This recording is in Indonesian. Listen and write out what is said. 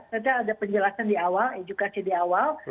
ternyata ada penjelasan di awal edukasi di awal